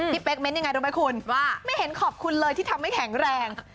เป๊กเม้นต์ยังไงรู้ไหมคุณว่าไม่เห็นขอบคุณเลยที่ทำให้แข็งแรง